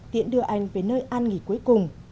tiễn đưa anh về nơi an nghỉ cuối cùng